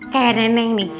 kayak neneng nih